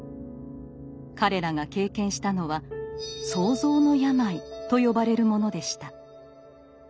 彼らが経験したのは「創造の病い」と呼ばれるものでした。